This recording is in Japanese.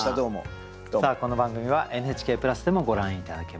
さあこの番組はＮＨＫプラスでもご覧頂けます。